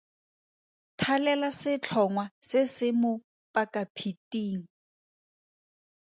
Thalela setlhongwa se se mo pakapheting.